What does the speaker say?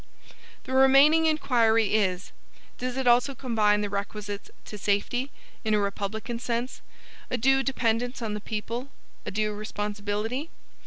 The remaining inquiry is: Does it also combine the requisites to safety, in a republican sense a due dependence on the people, a due responsibility?